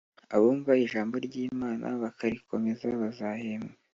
abumva ijambo ry’ Imana bakarikomeza bazahembwa